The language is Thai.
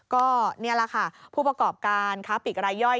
ก็นี่แหละค่ะผู้ประกอบการค้าปิกรายย่อย